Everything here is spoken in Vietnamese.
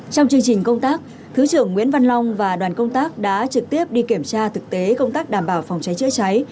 trong chương trình công tác thứ trưởng nguyễn văn long và đoàn công tác đã trực tiếp đi kiểm tra thực tế công tác đảm bảo phòng cháy chữa cháy